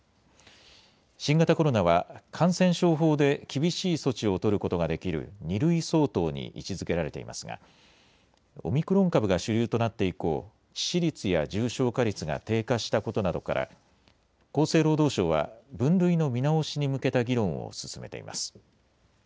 新型コロナは感染症法で厳しい措置を取ることができる２類相当に位置づけられていますがオミクロン株が主流となって以降、致死率や重症化率が低下したことなどから厚生労働省は分類の見直しに向けた議論を進めています。